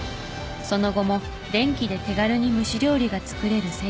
その後も電気で手軽に蒸し料理が作れる